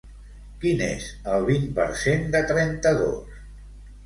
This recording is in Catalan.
Quin és el vint per cent de trenta-dos?